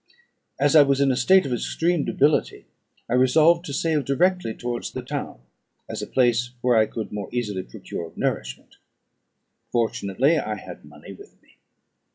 As I was in a state of extreme debility, I resolved to sail directly towards the town, as a place where I could most easily procure nourishment. Fortunately I had money with me.